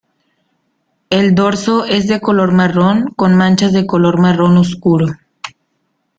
El dorso es de color marrón con manchas de color marrón oscuro.